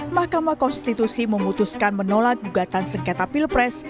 mahkamah konstitusi memutuskan menolak gugatan sengketa pilpres